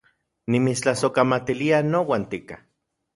Nimitstlasojkamatilia nouan tika